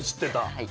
はい。